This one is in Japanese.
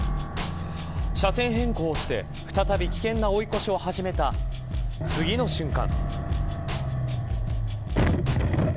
車線変更をして再び、危険な追い越しを始めた次の瞬間。